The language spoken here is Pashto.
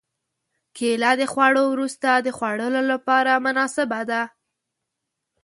کېله د خوړو وروسته د خوړلو لپاره مناسبه ده.